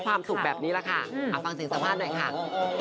ความสุขกับไห่น้ำสุดยอดมากครับ